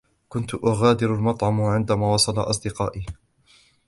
كنت أغادر المطعم عندما وصل أصدقائي.